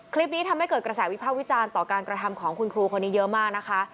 คลิปนี้ทำให้เกิดกระแสวิภาควิจารณ์ต่อการกระทำของคุณครูคนนี้เยอะมากนะคะ